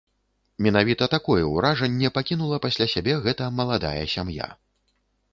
Менавіта такое ўражанне пакінула пасля сябе гэта маладая сям'я.